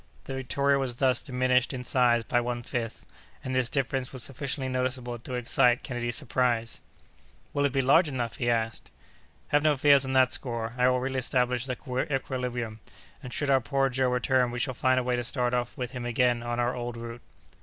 The Victoria was thus diminished in size by one fifth, and this difference was sufficiently noticeable to excite Kennedy's surprise. "Will it be large enough?" he asked. "Have no fears on that score, I will reestablish the equilibrium, and should our poor Joe return we shall find a way to start off with him again on our old route."